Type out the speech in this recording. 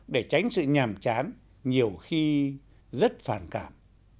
để tránh sự nhàm chán nhiều khi rất phản cảm